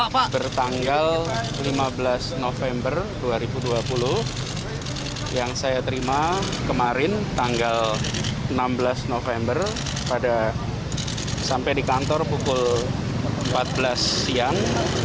pemanggilan polda metro jaya kemarin tanggal enam belas november sampai di kantor pukul empat belas siang